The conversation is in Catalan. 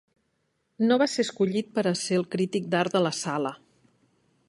No va ser escollit per a ser el crític d'art de la sala.